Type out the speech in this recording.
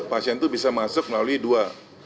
pasien itu bisa masuk melalui dua